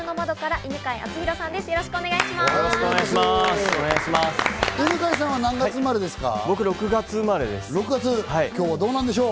犬飼さんは何月生まれですか？